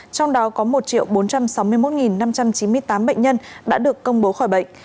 trong đó có một bốn trăm sáu mươi một năm trăm chín mươi tám bệnh nhân đã được công bố khỏi bệnh